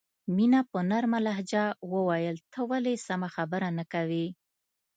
مینه په نرمه لهجه وویل ته ولې سمه خبره نه کوې